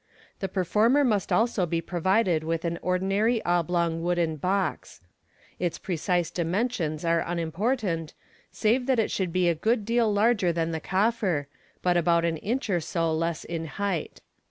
The performer must also be provided with an ordinary oblong wooden box. Its precise dimensions are unimpor tant, save that it should be a good deal larger than the coffer, but about an inch or so less in height.